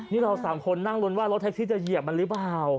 นี่เราสามคนนั่งรุ้นว่ารถแท็กซี่จะเหยียบมันหรือเปล่า